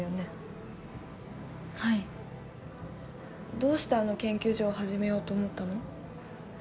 どうしてあの研究所を始めようと思ったの？